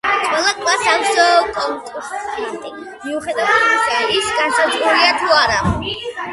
ყველა კლასს აქვს კონსტრუქტორი მიუხედავად იმისა, ის განსაზღვრულია თუ არა.